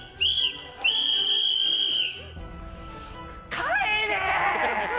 帰れ！